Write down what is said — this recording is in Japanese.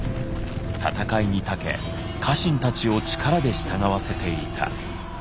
戦いにたけ家臣たちを力で従わせていた。